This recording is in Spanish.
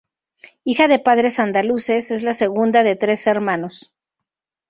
Hija de padres andaluces, es la segunda de tres hermanos.